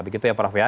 begitu ya prof ya